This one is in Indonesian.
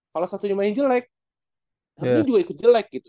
kalau satunya main jelek harusnya juga ikut jelek gitu